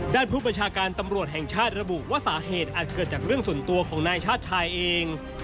ผู้บัญชาการตำรวจแห่งชาติระบุว่าสาเหตุอาจเกิดจากเรื่องส่วนตัวของนายชาติชายเอง